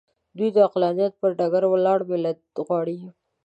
دوی د عقلانیت پر ډګر ولاړ ملت غواړي.